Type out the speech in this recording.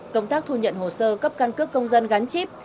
công tác thu nhận hồ sơ cấp căn cước công dân gắn chip